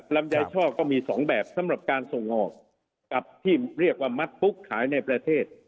ลำไยช่อก็มีสองแบบสำหรับการส่งออกกับที่เรียกว่ามัดปุ๊กขายในประเทศ